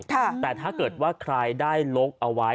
แต่ถ้าเกิดว่าใครได้ลกเอาไว้